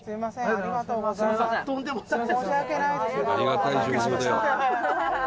「ありがとうございます」